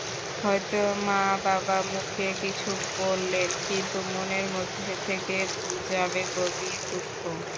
হয়তো মা-বাবা মুখে কিছু বললেন, কিন্তু মনের মধ্যে থেকে যাবে গভীর দুঃখ।